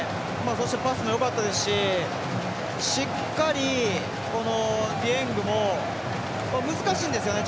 そしてパスもよかったですししっかり、ディエングも難しいんですよね